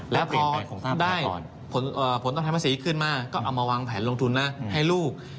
แล้วพอได้ผลต้องทำภาษีขึ้นมาก็เอามาวางแผนลงทุนนะให้ลูก